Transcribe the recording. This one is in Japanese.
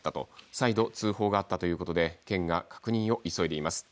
再度通報があったということで県が確認を急いでいます。